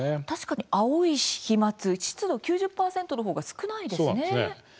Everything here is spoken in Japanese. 確かに青い飛まつ湿度９０％のほうが少ないですね。